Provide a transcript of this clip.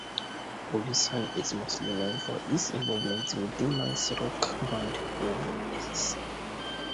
Olson is mostly known for his involvement with the noise rock band Wolf Eyes.